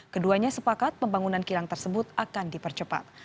keduanya sepakat pembangunan kilang tersebut akan dipercepat